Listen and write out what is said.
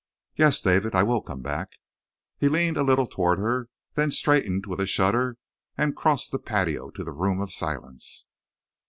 "Yes, David, I will come back!" He leaned a little toward her, then straightened with a shudder and crossed the patio to the Room of Silence.